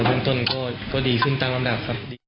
พ่วงต้นก็ดีขึ้นต่างลำดับ